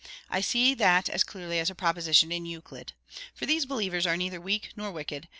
I see that as clearly as a proposition in Euclid. For these believers are neither weak nor wicked.